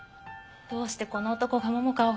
どうしてこの男が桃香を。